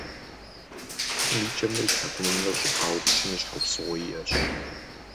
Хьэм и кӀэмрэ и тхьэкӏумэмрэ щӀыпаупщӀми щхьэусыгъуэ иӀэщ.